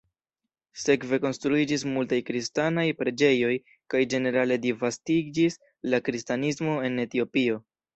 Sekve konstruiĝis multaj kristanaj preĝejoj kaj ĝenerale disvastiĝis la kristanismo en Etiopio.